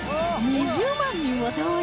２０万人を動員！